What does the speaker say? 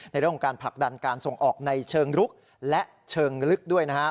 ในเรื่องของการผลักดันการส่งออกในเชิงรุกและเชิงลึกด้วยนะครับ